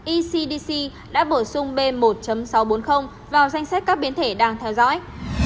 ecdc đã bổ sung b một sáu trăm bốn mươi vào danh sách các biến thể đang theo dõi